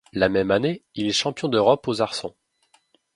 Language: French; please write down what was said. La même année, il est champion d'Europe aux arçons.